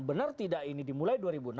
benar tidak ini dimulai dua ribu enam belas